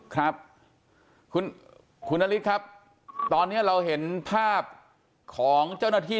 ครับคุณคุณนฤทธิ์ครับตอนนี้เราเห็นภาพของเจ้าหน้าที่